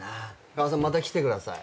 加賀さんまた来てください。